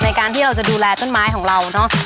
การที่เราจะดูแลต้นไม้ของเราเนอะ